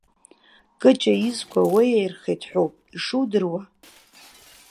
Кыҷа изқәа уеиаирхеит ҳәоуп ишудыруа?